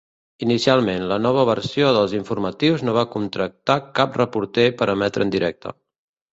Inicialment, la nova versió dels informatius no van contractar cap reporter per emetre en directe.